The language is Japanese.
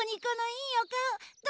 いいおかお？